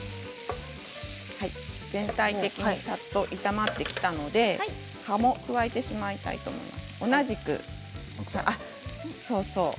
全体的にさっと炒まってきたので葉も加えてしまいたいと思います。